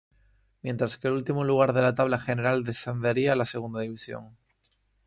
Mientras que el último lugar de la tabla general descendería a la Segunda División.